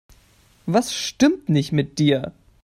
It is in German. Was stimmt nicht mit dir?